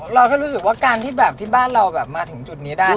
เราก็รู้สึกว่าการที่แบบที่บ้านเราแบบมาถึงจุดนี้ได้